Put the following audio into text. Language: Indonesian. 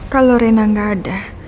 kalau reina gak ada